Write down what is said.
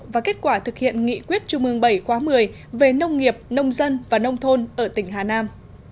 và kết quả thực hiện nghị quyết trung ương bảy khóa một mươi về nông nghiệp nông dân và nông thôn ở tỉnh hà nam